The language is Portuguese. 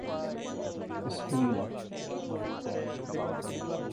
excluí-la